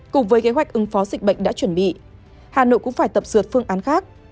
cùng với kế hoạch ứng phó dịch bệnh đã chuẩn bị hà nội cũng phải tập dượt phương án khác